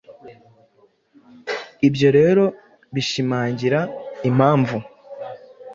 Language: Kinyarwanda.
Ibyo rero bishimangira impamvu